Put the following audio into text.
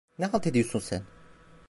Ne halt ediyorsun sen?